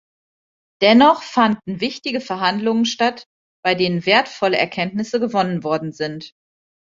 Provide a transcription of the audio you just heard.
Dennoch fanden wichtige Verhandlungen statt, bei denen wertvolle Erkenntnisse gewonnen worden sind.